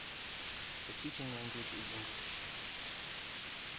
The teaching language is English.